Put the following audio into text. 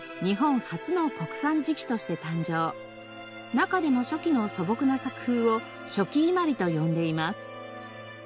中でも初期の素朴な作風を初期伊万里と呼んでいます。